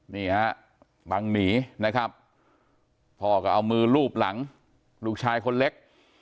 นี่ฮะบังหนีนะครับพ่อก็เอามือลูบหลังลูกชายคนเล็ก